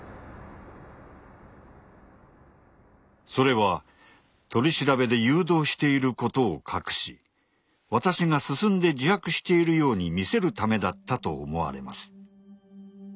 それは取り調べで誘導していることを隠し私が進んで自白しているように見せるためだったと思われます。